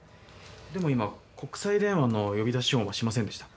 でも今国際電話の呼び出し音はしませんでした。